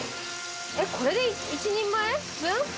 えっこれで１人前分？